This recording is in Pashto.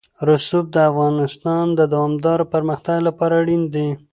رسوب د افغانستان د دوامداره پرمختګ لپاره اړین دي.